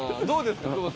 どうですか？